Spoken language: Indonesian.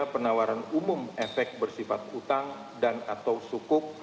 satu ratus dua puluh tiga penawaran umum efek bersifat utang dan atau sukuk